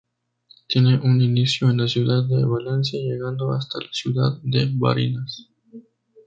Tiene su inicio en la ciudad de Valencia llegando hasta la ciudad de Barinas.